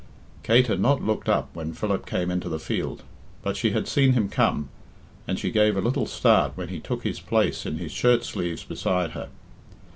Kate had not looked up when Philip came into the field, but she had seen him come, and she gave a little start when he took his place in his shirt sleeves beside her.